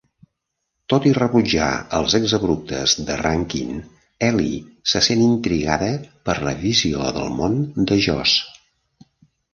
Tot i rebutjar els exabruptes de Rankin, Ellie se sent intrigada per la visió del món de Joss.